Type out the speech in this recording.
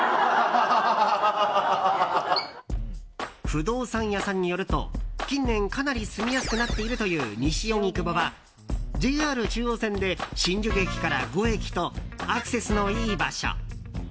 不動産屋さんによると近年、かなり住みやすくなっているという西荻窪はＪＲ中央線で新宿駅から５駅とアクセスのいい場所。